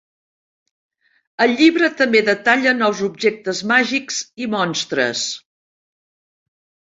El llibre també detalla nous objectes màgics i monstres.